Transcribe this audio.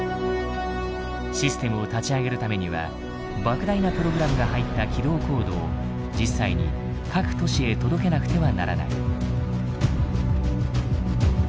システムを立ち上げるためには莫大なプログラムが入った起動コードを実際に各都市へ届けなくてはならない。